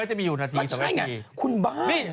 จะไม่ค่อยได้อะไรเลย